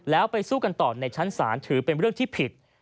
แล้วไปสู้กันต่อในชั้นศาลถือเป็นเรื่องที่ผิด